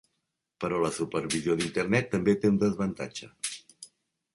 Però la supervisió d'Internet també té un desavantatge.